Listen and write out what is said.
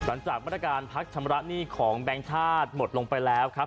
หลังจากมาตรการพักชำระหนี้ของแบงค์ชาติหมดลงไปแล้วครับ